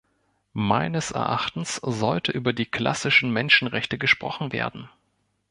Meines Erachtens sollte über die klassischen Menschenrechte gesprochen werden.